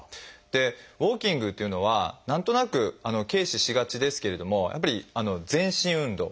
でウォーキングというのは何となく軽視しがちですけれどもやっぱり全身運動